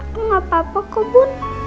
aku gak apa apa kok bu